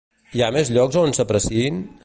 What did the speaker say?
Hi ha més llocs on s'apreciïn?